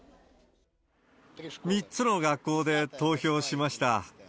３つの学校で投票しました。